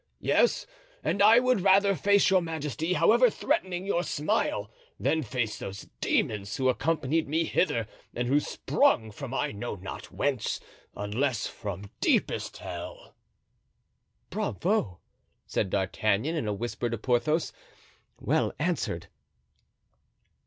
Yes, and I would rather face your majesty, however threatening your smile, than face those demons who accompanied me hither and who sprung from I know not whence, unless from deepest hell." ("Bravo," said D'Artagnan in a whisper to Porthos; "well answered.")